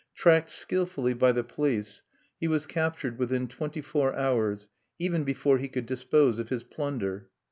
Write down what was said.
Tracked skillfully by the police, he was captured within twenty four hours, even before he could dispose of his plunder.